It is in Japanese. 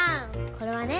これはね